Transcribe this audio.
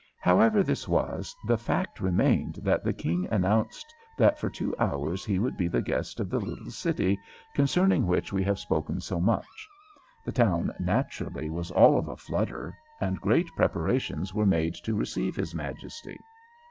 However this was, the fact remained that the King announced that for two hours he would be the guest of the little city concerning which we have spoken so much. The town naturally was all of a flutter, and great preparations were made to receive his Majesty.